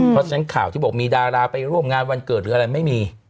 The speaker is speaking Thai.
เพราะฉะนั้นข่าวที่บอกมีดาราไปร่วมงานวันเกิดหรืออะไรไม่มี